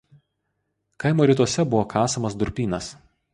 Kaimo rytuose buvo kasamas durpynas.